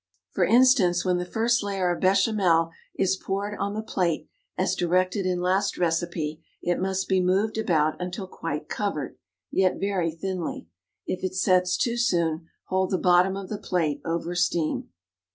For instance, when the first layer of béchamel is poured on the plate as directed in last recipe, it must be moved about until quite covered, yet very thinly. If it sets too soon, hold the bottom of the plate over steam.